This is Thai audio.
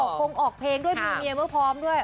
ออกภงออกเพลงด้วยเมียไม่พร้อมด้วย